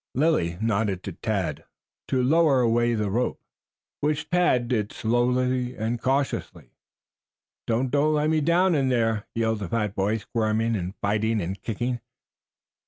Lilly nodded to Tad to lower away on the rope, which Tad did slowly and cautiously. "Don't don't let me down in there!" yelled the fat boy, squirming and fighting and kicking.